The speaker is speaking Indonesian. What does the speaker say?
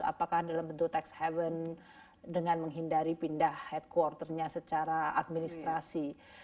apakah dalam bentuk tax haven dengan menghindari pindah headquarternya secara administrasi